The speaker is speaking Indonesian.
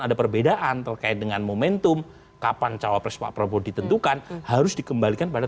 ada perbedaan terkait dengan momentum kapan cawapres pak prabowo ditentukan harus dikembalikan pada